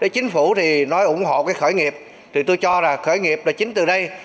chính phủ thì nói ủng hộ cái khởi nghiệp thì tôi cho là khởi nghiệp là chính từ đây